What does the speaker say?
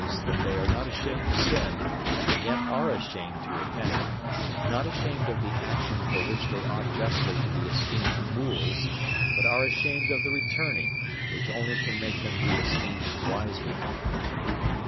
that they are not ashamed to sin, and yet are ashamed to repent; not ashamed of the action for which they ought justly to be esteemed fools, but are ashamed of the returning, which only can make them be esteemed wise men.